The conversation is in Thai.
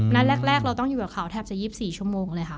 นัดแรกเราต้องอยู่กับเขาแทบจะ๒๔ชั่วโมงเลยค่ะ